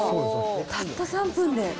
たった３分で。